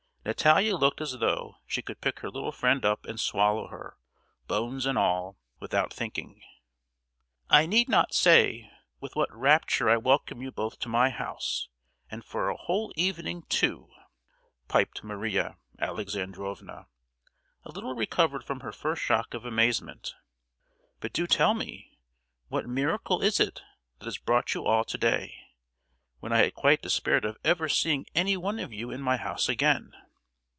Natalia looked as though she could pick her little friend up and swallow her, bones and all, without thinking. "I need not say with what rapture I welcome you both to my house, and for a whole evening, too!" piped Maria Alexandrovna, a little recovered from her first shock of amazement; "but do tell me, what miracle is it that has brought you all to day, when I had quite despaired of ever seeing anyone of you in my house again?"